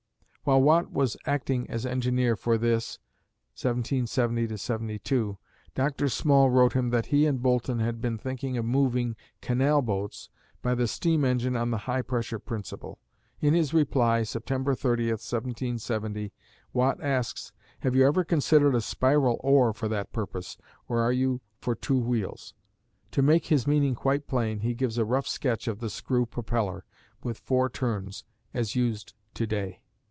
While Watt was acting as engineer for this (1770 72), Dr. Small wrote him that he and Boulton had been talking of moving canal boats by the steam engine on the high pressure principle. In his reply, September 30, 1770, Watt asks, "Have you ever considered a spiral oar for that purpose, or are you for two wheels?" To make his meaning quite plain, he gives a rough sketch of the screw propeller, with four turns as used to day.